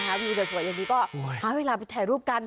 เออนะครับอยู่แต่สวยอย่างนี้ก็พาเวลาไปแถมรูปกัน